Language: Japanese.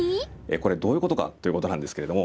これどういうことかということなんですけれども。